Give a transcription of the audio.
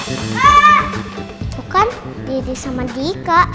itu kan ide sama dika